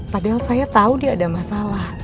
padahal saya tahu dia ada masalah